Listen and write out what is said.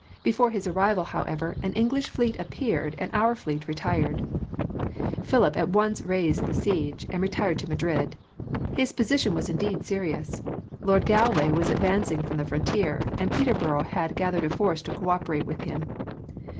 Before his arrival, however, an English fleet appeared, and our fleet retired. "Philip at once raised the siege, and retired to Madrid. His position was indeed serious. Lord Galway was advancing from the frontier, and Peterborough had gathered a force to cooperate with him.